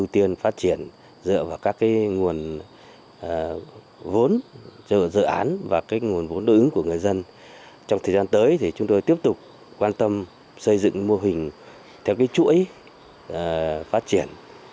trong thời gian tới thì chúng tôi tiếp tục quan tâm xây dựng mô hình theo chuỗi phát triển